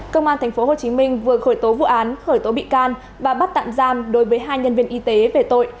công an tp hcm vừa khởi tố vụ án khởi tố bị can và bắt tạm giam đối với hai nhân viên y tế về tội